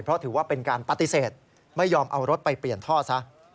เพราะถือว่าเป็นการปฏิเสธไม่ยอมเอารถไปเปลี่ยนท่อซะ